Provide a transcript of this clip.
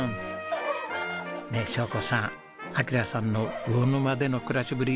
ねえ晶子さん暁良さんの魚沼での暮らしぶり